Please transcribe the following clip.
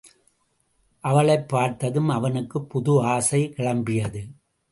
அவளைப் பார்த்ததும் அவனுக்குப் புது ஆசை கிளம்பியது.